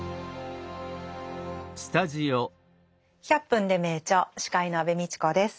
「１００分ｄｅ名著」司会の安部みちこです。